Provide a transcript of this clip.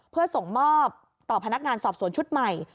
เพื่อส่งมอบต่อพนักงานสอบสวนชุดใหม่